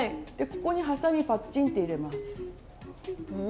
ここにはさみパッチンって入れます。